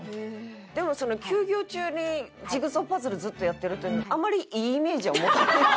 でもその休業中にジグソーパズルずっとやってるっていうのあまりいいイメージは持たれない。